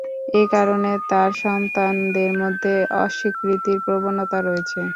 এ কারণে তার সন্তানদের মধ্যে অস্বীকৃতির প্রবণতা রয়েছে।